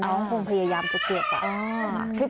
น้องคงพยายามจะเก็บ